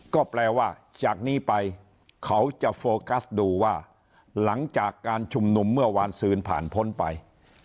ก็แปลว่าจากนี้ไปเขาจะโฟกัสดูว่าหลังจากการชุมนุมเมื่อวานซืนผ่านพ้นไป